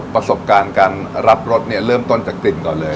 ประสบการณ์การรับรสเนี่ยเริ่มต้นจากกลิ่นก่อนเลย